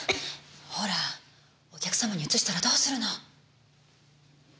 ほらお客様にうつしたらどうするの。